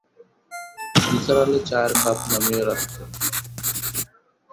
নিসার আলি চায়ের কাপ নামিয়ে রাখতে।